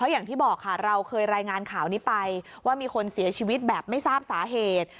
อย่างที่บอกค่ะเราเคยรายงานข่าวนี้ไปว่ามีคนเสียชีวิตแบบไม่ทราบสาเหตุ